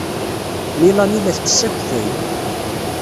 Melanie la tettess akeffay.